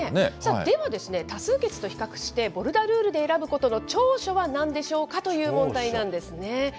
では多数決と比較して、ボルダルールで選ぶことの長所はなんでしょうかという問題なんですね。